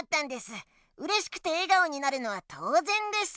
うれしくて笑顔になるのはとうぜんです。